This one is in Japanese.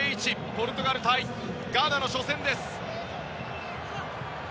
Ｈポルトガル対ガーナの初戦です。